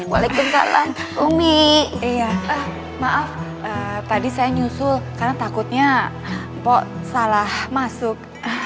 walaikumsalam bumi iya maaf tadi saya nyusul karena takutnya mbok salah masuk